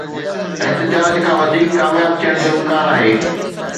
احتجاج کان وڌيڪ ڪامياب ٿيڻ جو امڪان آهي.